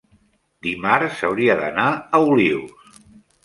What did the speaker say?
dimarts hauria d'anar a Olius.